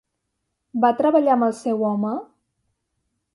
Va treballar amb el seu home?